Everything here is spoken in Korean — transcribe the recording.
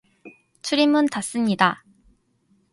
출입문 닫습니다.